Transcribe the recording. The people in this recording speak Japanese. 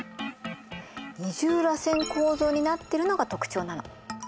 二重らせん構造になってるのが特徴なの。